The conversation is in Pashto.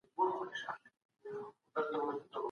زه پوهېږم نیت دي کړی د داړلو